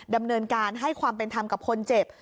ดำเนินการให้ความเป็นธรรมกับคนเจ็บ